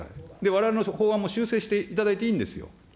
われわれの法案も修正していただいていいんですよ。